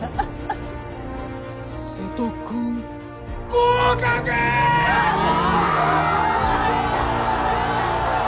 瀬戸君合格ーっ！